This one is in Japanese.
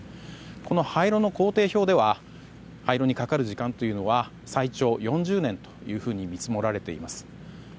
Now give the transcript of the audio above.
この廃炉の工程表では廃炉にかかる時間というのは最長４０年というふうに見積もられています。